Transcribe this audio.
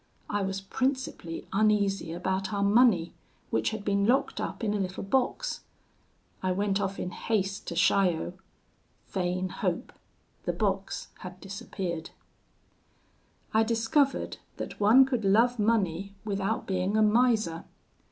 I was principally uneasy about our money, which had been locked up in a little box. I went off in haste to Chaillot. Vain hope! the box had disappeared! "I discovered that one could love money without being a miser.